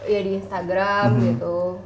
ya di instagram gitu